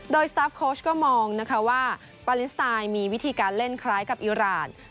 โดยสตาร์ฟโค้ชก็มองนะคะว่าปาเลนสไตล์มีวิธีการเล่นคล้ายกับอิราณ